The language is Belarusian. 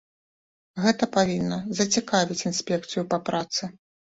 Гэта павінна зацікавіць інспекцыю па працы.